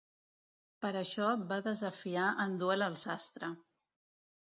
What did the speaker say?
Per això va desafiar en duel el sastre.